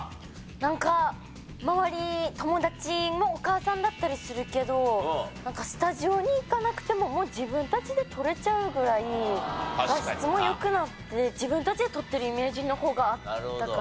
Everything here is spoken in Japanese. なんか周り友達もお母さんだったりするけどスタジオに行かなくても自分たちで撮れちゃうぐらい画質も良くなって自分たちで撮ってるイメージの方があったから。